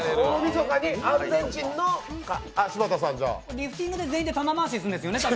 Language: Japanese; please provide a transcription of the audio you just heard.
リフティングで全員で球回しするんですよね。